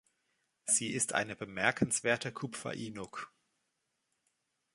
Sie ist eine bemerkenswerte Kupferinuk.